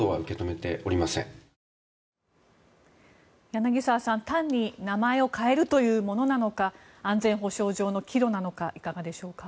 柳澤さん、単に名前を変えるというものなのか安全保障上の岐路なのかいかがでしょうか。